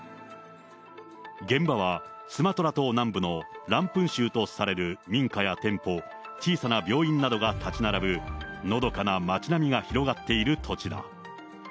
現場は、スマトラ島南部のランプン州とされる民家や店舗、小さな病院などが建ち並ぶ、のどかな町並みが広がっている土地だ。